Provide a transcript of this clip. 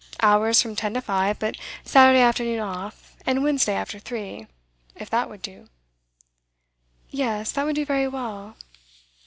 Hours from ten to five, but Saturday afternoon off, and Wednesday after three, if that would do?' 'Yes, that would do very well.